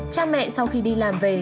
cha mẹ sau khi đi làm về